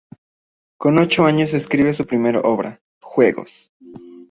Con ocho años escribe su primera obra, "Juegos".